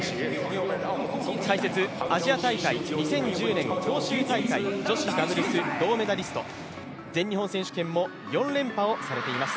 解説、アジア大会２０１０年広州大会女子ダブルス銅メダリスト、全日本選手権も４連覇をされています